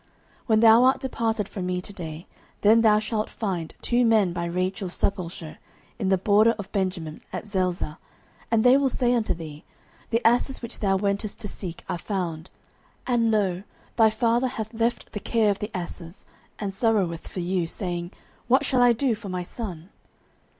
09:010:002 When thou art departed from me to day, then thou shalt find two men by Rachel's sepulchre in the border of Benjamin at Zelzah; and they will say unto thee, The asses which thou wentest to seek are found: and, lo, thy father hath left the care of the asses, and sorroweth for you, saying, What shall I do for my son?